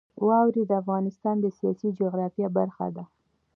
واوره د افغانستان د سیاسي جغرافیه برخه ده.